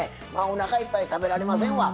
おなかいっぱい食べられませんわ。